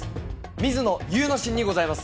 水野祐之進にございます。